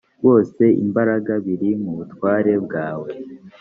bose imbaraga biri mu butware bwawe